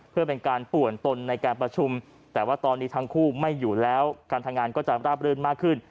เพื่อเป็นการป่วนตนในการประชุมแต่ว่าตอนนี้ทั้งคู่ไม่อยู่แล้วการทำงานก็จะราบรื่นมากขึ้น